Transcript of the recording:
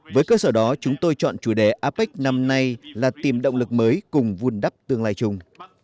với cơ sở đó chúng tôi chọn chủ đề apec năm nay là tìm động lực mới cùng vun đắp tương lai chung